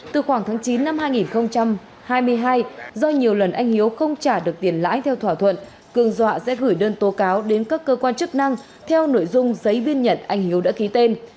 từ khoảng tháng chín năm hai nghìn hai mươi hai do nhiều lần anh hiếu không trả được tiền lãi theo thỏa thuận cương dọa sẽ gửi đơn tố cáo đến các cơ quan chức năng theo nội dung giấy biên nhận anh hiếu đã ký tên